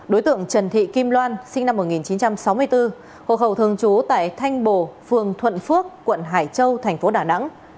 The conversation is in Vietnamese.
đối tượng trần thị kim loan sinh năm một nghìn chín trăm sáu mươi bốn hộ khẩu thường trú tại thanh bồ phường thuận phước quận hải châu thành phố đà nẵng